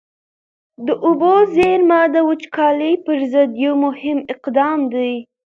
د اوبو زېرمه د وچکالۍ پر ضد یو مهم اقدام دی.